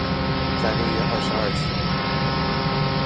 在六月二十二前